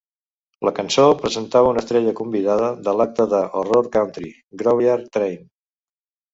La cançó presentava una estrella convidada de l'acte de horror country, Graveyard Train.